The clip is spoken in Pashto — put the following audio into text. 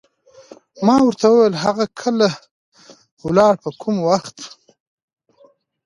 ما ورته وویل: هغه کله ولاړه، په کوم وخت؟